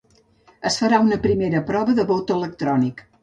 Es farà una primera prova de vot electrònic